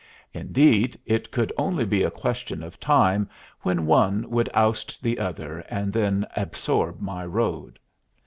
Indeed, it could only be a question of time when one would oust the other and then absorb my road.